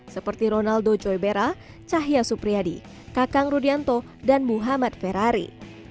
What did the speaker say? seperti ronaldo joybera cahya supriyadi kakang rudianto dan muhammad ferrari